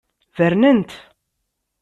Bernen-t.